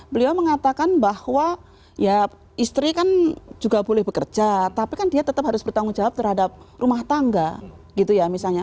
beliau mengatakan bahwa ya istri kan juga boleh bekerja tapi kan dia tetap harus bertanggung jawab terhadap rumah tangga gitu ya misalnya